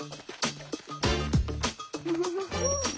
フフフン！